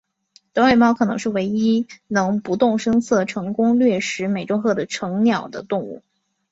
短尾猫可能是唯一能不动声色成功掠食美洲鹤成鸟的动物。